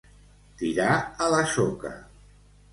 Tirar a la soca.